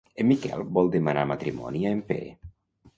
En Miquel vol demanar matrimoni a en Pere.